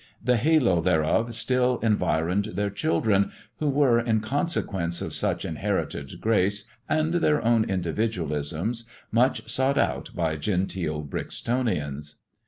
The halo thereof still envi roned their children, who were, in consequence of sach inherited grace and their own individualisms, much sought after by genteel Brixtonians.